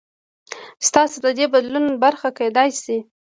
تاسو د دې بدلون برخه کېدای شئ.